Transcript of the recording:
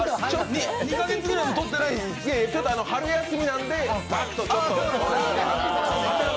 ２か月ぐらい撮ってない春休みなんで、わっとちょっとね。